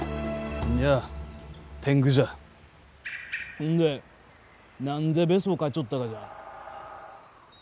ほんで何でベソかいちょったがじゃ？